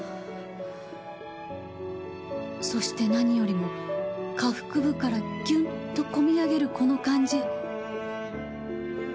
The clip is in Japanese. そして何よりも下腹部からギュッと込み上げるこの感じ。